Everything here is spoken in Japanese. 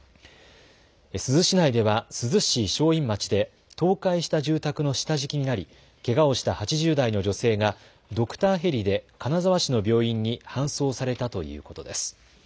珠洲市内では珠洲市正院町で倒壊した住宅の下敷きになりけがをした８０代の女性がドクターヘリで金沢市の病院に搬送されたということです。